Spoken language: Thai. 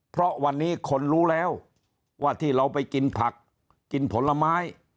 เพราะวันนี้คนรู้แล้วว่าที่เราไปกินผักกินผลไม้